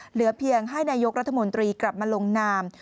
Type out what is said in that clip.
เหลือเพียงให้นายกรัฐมนตรีกลับมาลงนาม